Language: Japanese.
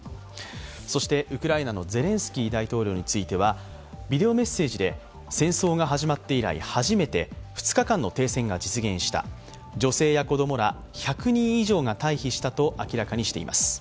そして、ウクライナのゼレンスキー大統領についてはビデオメッセージで、戦争が始まって以来、初めて２日間の停戦が実現した、女性や子供ら１００人以上が退避したと明らかにしています。